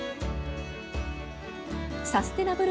サステナブル